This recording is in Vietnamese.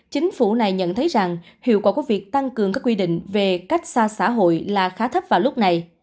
chính phủ này nhận thấy rằng hiệu quả của việc tăng cường các quy định về cách xa xã hội là khá thấp vào lúc này